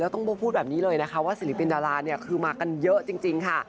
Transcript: ต้องพูดแบบนี้เลยนะคะว่าศิลปินดาราเนี่ยคือมากันเยอะจริงค่ะ